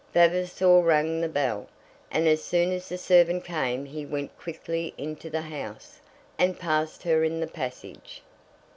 Vavasor rang the bell, and as soon as the servant came he went quickly into the house, and passed her in the passage.